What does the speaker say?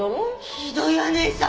ひどいわ姉さん！